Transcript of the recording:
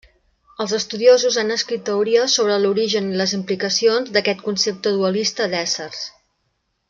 Els estudiosos han escrit teories sobre l'origen i les implicacions d'aquest concepte dualista d'éssers.